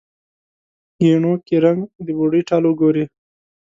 ګېڼو کې رنګ، د بوډۍ ټال وګورې